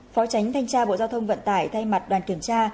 phó tránh thanh tra bộ giao thông vận tải thay mặt đoàn kiểm tra